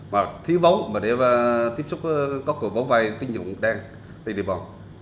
mà thiếu vóng để tiếp xúc các hồ vay tinh dụng đang đi đi bỏ